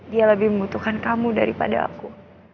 dia lebih membutuhkan kamu daripada aku